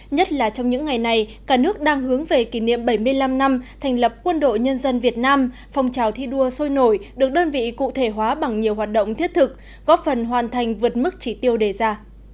nhất là trong những ngày này cả nước đang hướng về kỷ niệm bảy mươi năm năm thành lập quân đội nhân dân việt nam phong trào thi đua sôi nổi được đơn vị cụ thể hóa bằng nhiều hoạt động thiết thực góp phần hoàn thành vượt mức chỉ tiêu đề ra